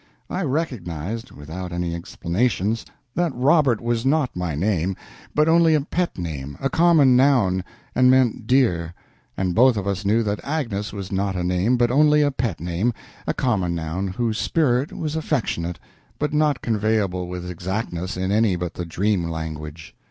I recognized, without any explanations, that Robert was not my name, but only a pet name, a common noun, and meant "dear"; and both of us knew that Agnes was not a name, but only a pet name, a common noun, whose spirit was affectionate, but not conveyable with exactness in any but the dream language.